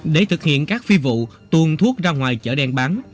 để thực hiện các phi vụ tuồn thuốc ra ngoài chợ đen bán